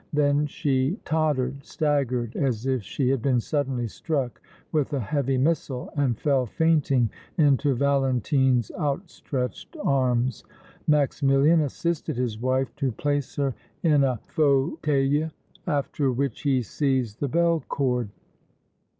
Then she tottered, staggered as if she had been suddenly struck with a heavy missile, and fell fainting into Valentine's outstretched arms. Maximilian assisted his wife to place her in a fauteuil, after which he seized the bell cord.